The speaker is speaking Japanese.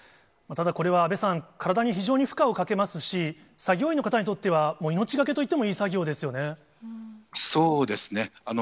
ただ、これは安倍さん、体に非常に負荷をかけますし、作業員の方にとっては、もう命懸そうですね。